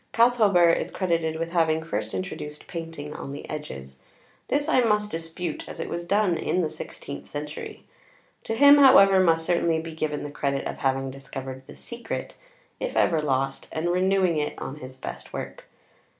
Kalthoeber is credited with having first introduced painting on the edges. This I must dispute, as it was done in the sixteenth century. To him, however, must certainly be given the credit of having discovered the secret, if ever lost, and renewing it on his best work.